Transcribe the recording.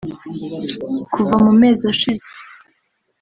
Kuva mu mezi ashize